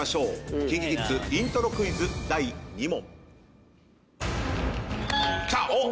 ＫｉｎＫｉＫｉｄｓイントロクイズ第３問。